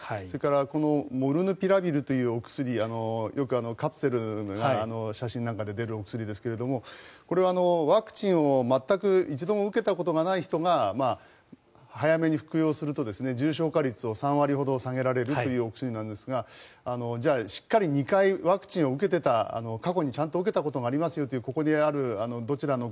それからこのモルヌピラビルというお薬よくカプセルが写真なんかで出るお薬ですけどこれはワクチンを全く１度も受けたことがない人が早めに服用すると重症化率を３割ほど下げられるというお薬なんですがしっかり２回ワクチンを受けていた過去にちゃんと受けたことがありますよというこちら